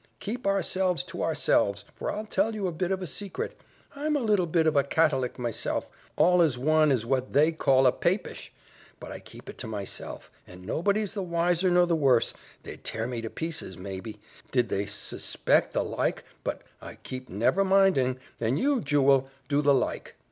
Keep ourselves to ourselves, for I'll tell you a bit of a sacret I'm a little bit of a cat'olic myself, all as one as what they call a papish; but I keep it to myself, and nobody's the wiser nor the worse they'd tear me to pieces, may be, did they suspect the like, but I keep never minding, and you, jewel, do the like.